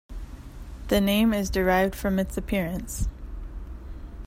The name is derived from its appearance.